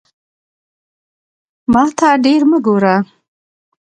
ماته ډیر مه ګوره